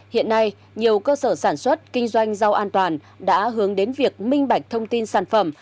hiện nay nhiều cơ sở sản xuất kinh doanh rau an toàn đã hướng đến việc minh bạch thông tin sản phẩm